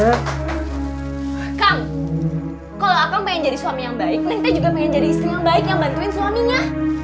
kang kalau aku pengen jadi suami yang baik saya juga pengen jadi istri yang baik yang bantuin suaminya